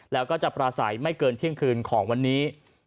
แล้วก็จะปราศัยไม่เกินเที่ยงคืนของวันนี้